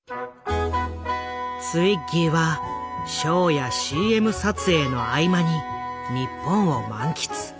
ツイッギーはショーやＣＭ撮影の合間に日本を満喫。